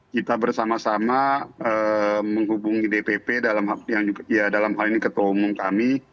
kita bersama sama menghubungi dpp dalam hal ini ketua umum kami